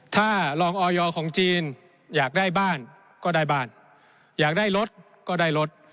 ถ้ารองออยของจีนอยากได้บ้านก็ได้บ้านอยากได้รถก็ได้รถ